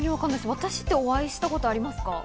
私、お会いしたことありますか？